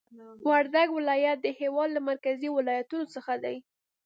وردګ ولایت د هېواد له مرکزي ولایتونو څخه دی